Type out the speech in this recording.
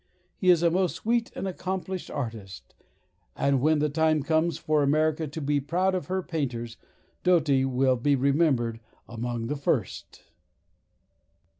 He is a most sweet and accomplished artist; and when the time comes for America to be proud of her painters, Doughty will be remembered among the first.